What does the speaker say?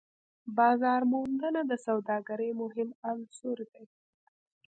بازارموندنه د سوداګرۍ مهم عنصر دی.